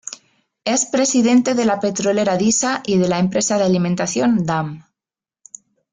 Es presidente de la petrolera Disa y de la empresa de alimentación Damm.